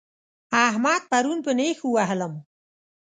احمد پرون په نېښ ووهلم